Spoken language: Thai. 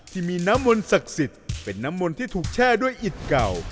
ที่มีน้ำมนต์ศักดิ์สิทธิ์เป็นน้ำมนต์ที่ถูกแช่ด้วยอิดเก่า